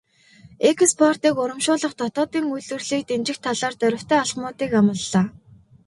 Экспортыг урамшуулах, дотоодын үйлдвэрлэлийг дэмжих талаар дорвитой алхмуудыг амлалаа.